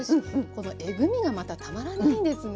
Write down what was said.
このえぐみがまたたまらないですね。